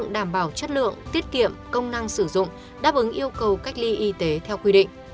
đảm bảo chất lượng tiết kiệm công năng sử dụng đáp ứng yêu cầu cách ly y tế theo quy định